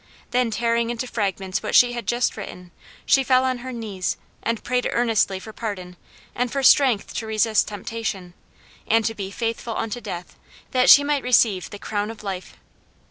Then, tearing into fragments what she had just written, she fell on her knees and prayed earnestly for pardon, and for strength to resist temptation, and to be "faithful unto death," that she might "receive the crown of life."